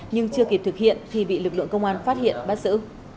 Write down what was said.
nhưng chưa kịp thực hiện thì bị lực lượng công an phát hiện bắt xử